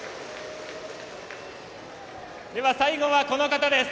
では、最後は、この方です。